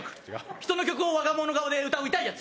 人の曲を我が物顔で歌う痛いやつ。